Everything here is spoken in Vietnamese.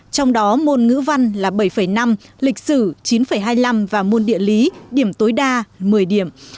trong đó môn ngữ văn là bảy năm lịch sử chín hai mươi năm và môn địa lý điểm tối đa một mươi điểm